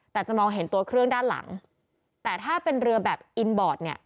แต่จะมองเห็นตัวเครื่องด้านหลังแต่ถ้าเป็นเรือแบบอินบอร์ดเนี่ย